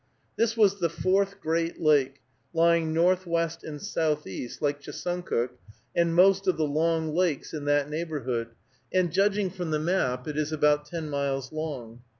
This was the fourth great lake, lying northwest and southeast, like Chesuncook and most of the long lakes in that neighborhood, and, judging from the map, it is about ten miles long.